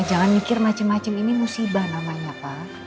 jangan mikir macem macem ini musibah namanya pak